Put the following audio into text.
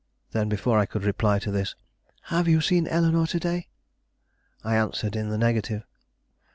Then, before I could reply to this: "Have you seen Eleanore to day?" I answered in the negative.